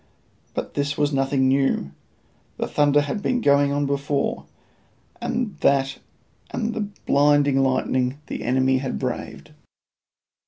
But this was nothing new: the thunder had been going on before, and that and the blinding lightning the enemy had braved.